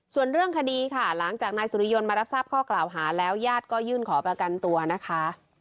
ส่วนเรื่องคดีค่ะหลังจากนายสุริยนต์มารับทราบข้อกล่าวหาแล้วญาติก็ยื่นขอประกันตัวนะคะ